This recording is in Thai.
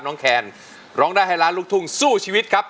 แคนร้องได้ให้ล้านลูกทุ่งสู้ชีวิตครับ